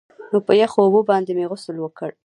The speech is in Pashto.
نو په يخو اوبو باندې مې غسل وکړ.